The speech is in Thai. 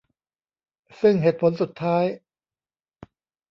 ซึ่งเหตุผลสุดท้าย